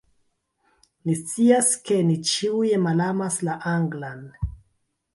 Mi scias, ke ni ĉiuj malamas la anglan